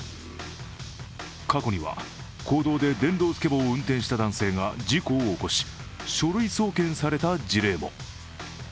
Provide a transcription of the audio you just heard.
過去には公道で電動スケボーを運転した男性が事故を起こし、書類送検された事例も。